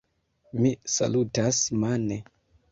Mi salutas mane.